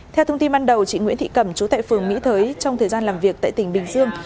theo thông tin ban đầu chị nguyễn thị cẩm chú tại phường mỹ thới trong thời gian làm việc tại tỉnh bình dương